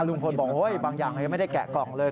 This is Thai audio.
ลุงพลบอกบางอย่างยังไม่ได้แกะกล่องเลย